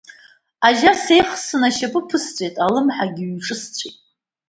Ажьа сеихсны ашьапы ԥысҵәеит, алымҳагьы ҩҿысҵәеит!